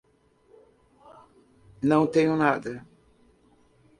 Não tenho nada.